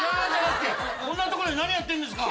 こんなとこで何やってんですか？